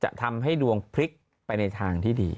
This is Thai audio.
จะทำให้ดวงพลิกไปในทางที่ดี